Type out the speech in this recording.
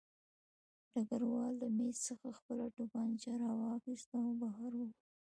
ډګروال له مېز څخه خپله توپانچه راواخیسته او بهر ووت